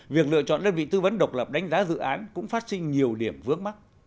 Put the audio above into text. việc lựa chọn đơn vị tư vấn độc lập đánh giá dự án cũng phát sinh nhiều điểm vướng mắt